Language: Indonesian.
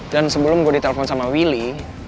dan sebelum gua ditelepon sama willy